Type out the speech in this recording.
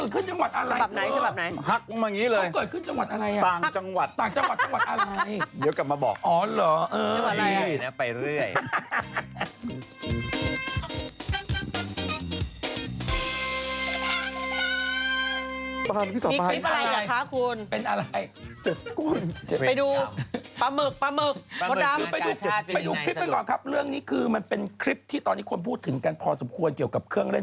กว่าเรื่องที่นี้คือมันเป็นคลิปนี้ควรพูดถึงกันสมมติฝรกาเนี่ย